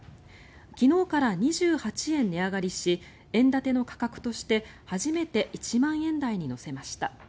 昨日から２８円値上がりし円建ての価格として初めて１万円台に乗せました。